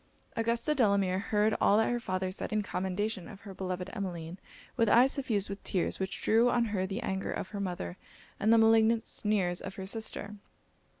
Augusta Delamere heard all that her father said in commendation of her beloved Emmeline, with eyes suffused with tears, which drew on her the anger of her mother and the malignant sneers of her sister.